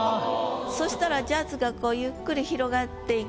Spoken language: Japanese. そしたらジャズがこうゆっくり広がっていく。